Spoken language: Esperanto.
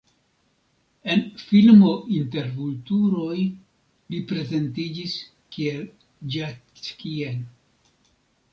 En filmo Inter vulturoj li prezentiĝis kiel Jackie.